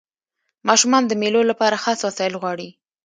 ماشومان د مېلو له پاره خاص وسایل غواړي.